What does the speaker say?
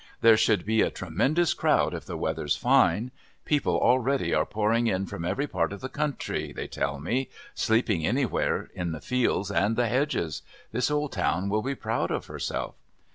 "There should be a tremendous crowd if the weather's fine. People already are pouring in from every part of the country, they tell me sleeping anywhere, in the fields and the hedges. This old town will be proud of herself."